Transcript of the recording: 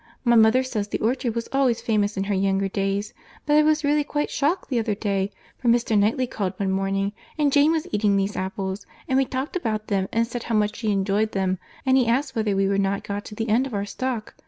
My mother says the orchard was always famous in her younger days. But I was really quite shocked the other day—for Mr. Knightley called one morning, and Jane was eating these apples, and we talked about them and said how much she enjoyed them, and he asked whether we were not got to the end of our stock.